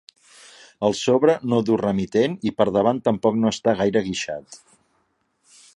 El sobre no du remitent i per davant tampoc no està gaire guixat.